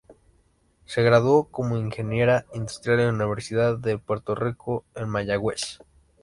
Se graduó como Ingeniera Industrial en la Universidad de Puerto Rico en Mayagüez.